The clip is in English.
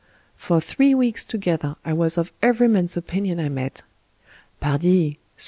For three weeks together I was of every man's opinion I met. " Pardi ! ce M.